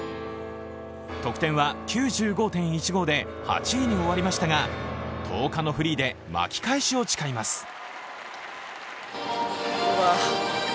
得点は９５．１５で８位に終わりましたが１０日のフリーで巻き返しを誓います。